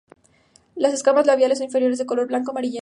Las escamas labiales e inferiores de color blanco amarillento.